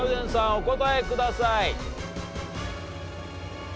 お答えください。